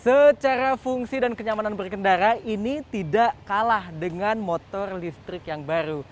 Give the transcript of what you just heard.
secara fungsi dan kenyamanan berkendara ini tidak kalah dengan motor listrik yang baru